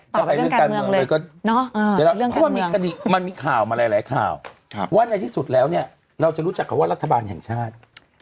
จะไปเรื่องการเมืองเลยก็เนอะมันมีข่าวมาหลายข่าวว่าในที่สุดแล้วเนี่ยเราจะรู้จักเขาว่ารัฐบาลแห่งชาติ